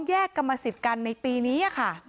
มาแยกกัมศิษย์กันในปีนี้